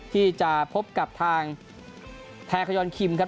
ที่จะพบกับทางแทคยอนคิมครับ